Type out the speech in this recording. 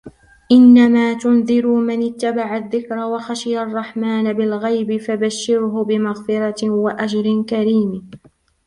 إِنَّمَا تُنْذِرُ مَنِ اتَّبَعَ الذِّكْرَ وَخَشِيَ الرَّحْمَنَ بِالْغَيْبِ فَبَشِّرْهُ بِمَغْفِرَةٍ وَأَجْرٍ كَرِيمٍ